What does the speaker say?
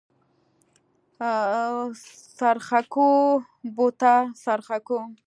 څرخکو بوته څرخکو.